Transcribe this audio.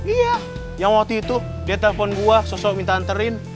iya yang waktu itu dia telpon gue sosok minta anterin